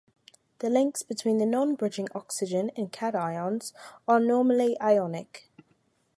The links between non-bridging oxygen and cations are normally ionic.